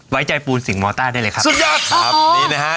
ไว้ใจปูนสิ่งมอต้าได้เลยครับสุดยอดครับนี่นะฮะ